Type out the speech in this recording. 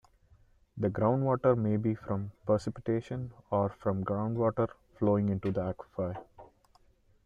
The groundwater may be from precipitation or from groundwater flowing into the aquifer.